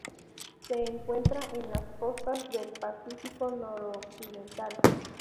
Se encuentra en las costas del Pacífico noroccidental.